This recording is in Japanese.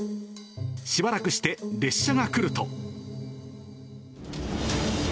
しばらくして列車が来ると。